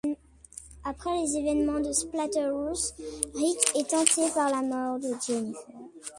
Après les événements de Splatterhouse, Rick est hanté par la mort de Jennifer.